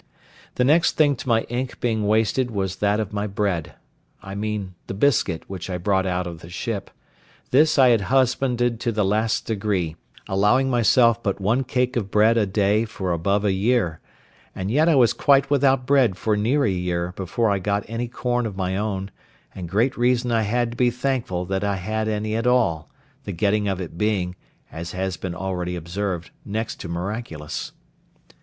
The next thing to my ink being wasted was that of my bread—I mean the biscuit which I brought out of the ship; this I had husbanded to the last degree, allowing myself but one cake of bread a day for above a year; and yet I was quite without bread for near a year before I got any corn of my own, and great reason I had to be thankful that I had any at all, the getting it being, as has been already observed, next to miraculous.